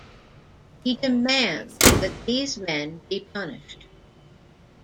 He demands that these men be punished.